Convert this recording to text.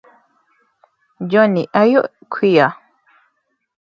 Johnny, Are You Queer?